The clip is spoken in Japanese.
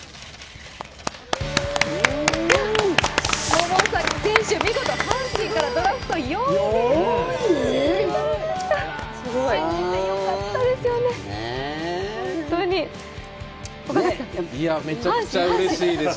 百崎選手、見事阪神からドラフト４位で指名されました！